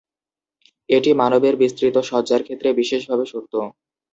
এটি মানবের বিস্তৃত সজ্জার ক্ষেত্রে বিশেষভাবে সত্য।